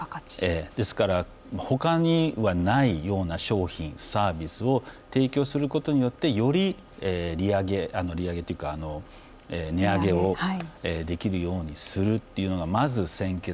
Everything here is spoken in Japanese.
ですから他にはないような商品サービスを提供することによってより利上げ利上げっていうか値上げをできるようにするというのがまず先決。